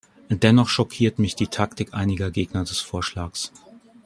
Dennoch schockiert mich die Taktik einiger Gegner des Vorschlags.